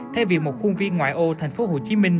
thay vì một khuôn viên ngoại ô thành phố hồ chí minh